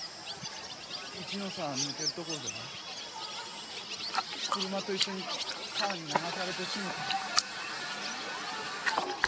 一の沢抜ける所でな車と一緒に川に流されてしもたんや。えっ？